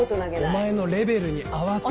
お前のレベルに合わせて。